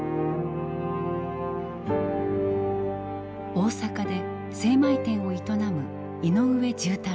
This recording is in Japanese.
大阪で精米店を営む井上重太郎さん。